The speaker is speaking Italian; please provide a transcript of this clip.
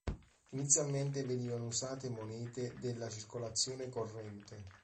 Inizialmente venivano usate monete della circolazione corrente.